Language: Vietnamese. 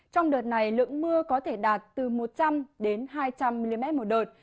trong đợt này lượng mưa có thể đạt từ một trăm linh đến hai trăm linh mm một đợt